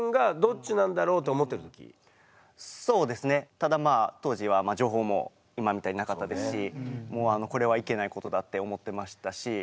ただまあ当時は情報も今みたいになかったですしもう「これはいけないことだ」って思ってましたし。